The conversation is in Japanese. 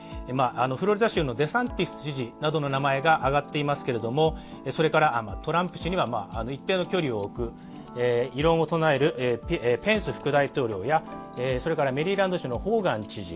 フロリダ州のデサンティス知事の名前などが挙がっていますけれどもトランプ氏には一定の距離を置く異論を唱えるペンス副大統領やメリーランド州のホーガン知事